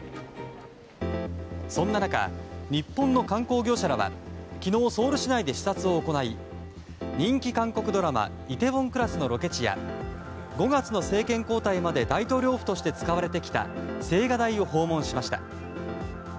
そんな中、日本の観光業者らは昨日、ソウル市内で視察を行い人気韓国ドラマ「梨泰院クラス」のロケ地や５月の政権交代まで大統領府として使われてきた青瓦台を訪問しました。